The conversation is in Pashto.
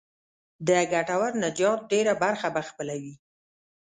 د ګټور تجارت ډېره برخه به خپلوي.